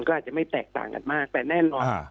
ก็อาจจะไม่แตกต่างกันมากแต่แน่นอน